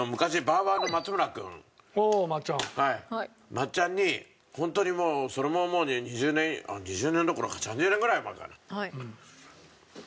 まっちゃんにホントにそれももう２０年２０年どころか３０年ぐらい前かな。